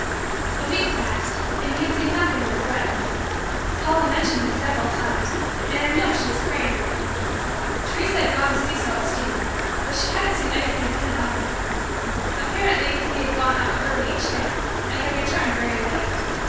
A week passed, and we had seen nothing of the Breton. Paula mentioned him several times, and I know she was praying for him. Teresa had gone to see Celestina, but she hadn't seen anything of him either. Apparently he had gone out early each day, and had returned very late.